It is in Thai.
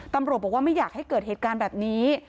ตำรวจบอกว่าไม่อยากให้เกิดเหตุการณ์แบบนี้